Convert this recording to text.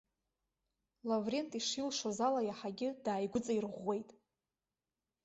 Лаврент ишилшоз ала иаҳагьы дааигәыҵаирӷәӷәеит.